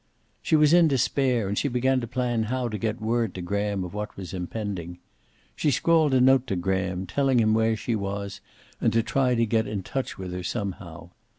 She was in despair, and she began to plan how to get word to Graham of what was impending. She scrawled a note to Graham, telling him where she was and to try to get in touch with her somehow.